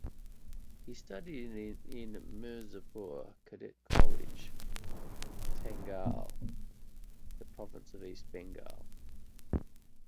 He studied in Mirzapur Cadet College, Tangail, in the province of East Bengal.